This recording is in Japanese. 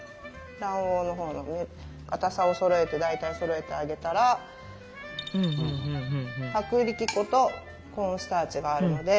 卵黄のほうにかたさをそろえて大体そろえてあげたら薄力粉とコーンスターチがあるので。